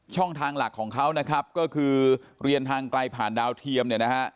ทางหลักของเขานะครับก็คือเรียนทางไกลผ่านดาวเทียมเนี่ยนะฮะ